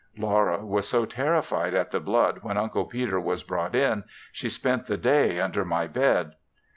Laura was so terrified at the blood when Uncle Peter was brought in, she spent the day under my bed.